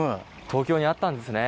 東京にあったんですね。